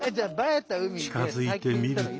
近づいてみると。